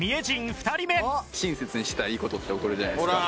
親切にしたらいい事って起こるじゃないですか。